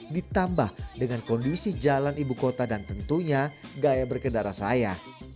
ditambah dengan kondisi jalan ibukota dan tentunya gaya berkedara saya